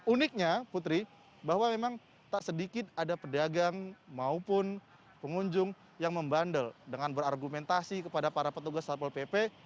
uniknya putri bahwa memang tak sedikit ada pedagang maupun pengunjung yang membandel dengan berargumentasi kepada para petugas satpol pp